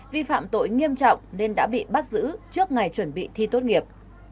vi phạm tội nghiêm trọng nên đã bị bắt giữ trước ngày chuẩn bị thi tốt nghiệp